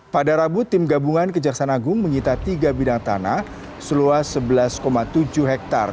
pada rabu tim gabungan kejaksanagung mengita tiga bidang tanah seluas sebelas tujuh hektare